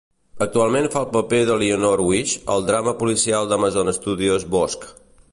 Actualment fa el paper d'Eleanor Wish al drama policial d'Amazon Studios "Bosch".